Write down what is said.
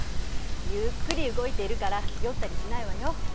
ゆっくり動いているから酔ったりしないわよ。